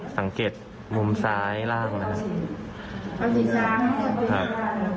สังเกตมุมซ้ายล่างนะครับ